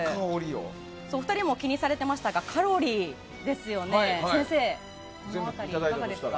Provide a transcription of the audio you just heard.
お二人も気にされていましたがカロリーは先生いかがですか？